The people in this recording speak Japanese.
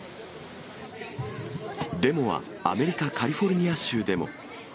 デモはアメリカ・カリフォルニア州でも。